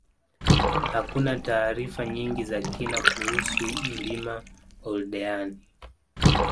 Hakuna taarifa nyingi za kina kuhusu mlima Oldeani